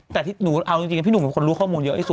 แต่ที่หนูเอาจริงพี่หนุ่มเป็นคนรู้ข้อมูลเยอะที่สุด